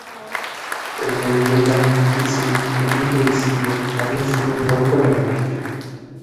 En la leyenda, Di Xin, en un principio, había sido un buen gobernante.